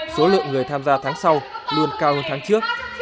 số lượng người tham gia tháng sau luôn cao hơn tháng trước